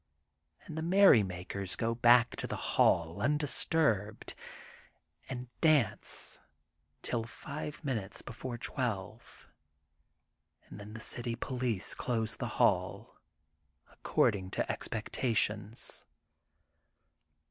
And the merrymakers go back to the hall undis turbed and dance till five minutes before twelve and then the city police close the hall, according to expectations.